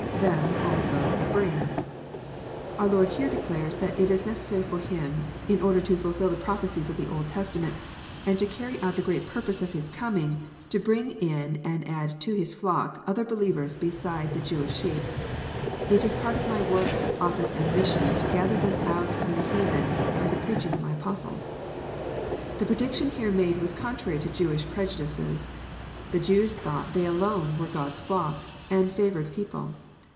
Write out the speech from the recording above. {_Them also,. .bring.'] Our Lord here declares that it is neces sary for Him, in order to fUlfll the prophecies of the Old Testa ment, and to carry out the great purpose of His coming, to bring in and add to His flock other believers beside the Jewish sheep : "It is part of my work, office, and mission, to gather them out from the heathen by the preaching of my apostles." The prediction here made was contrary to Jewish prejudices. The Jews thought they alone were God's flock and favoured people.